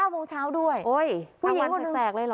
๙โมงเช้าด้วยผู้หญิงคนนึงโอ๊ยทางวันแสกเลยเหรอ